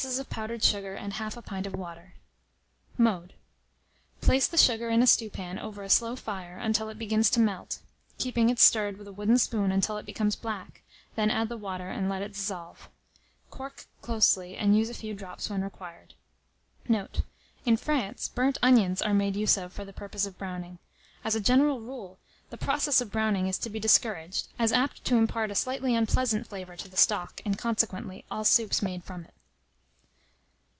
of powdered sugar, and 1/2 a pint of water. Mode. Place the sugar in a stewpan over a slow fire until it begins to melt, keeping it stirred with a wooden spoon until it becomes black, then add the water, and let it dissolve. Cork closely, and use a few drops when required. Note. In France, burnt onions are made use of for the purpose of browning. As a general rule, the process of browning is to be discouraged, as apt to impart a slightly unpleasant flavour to the stock, and, consequently, all soups made from it.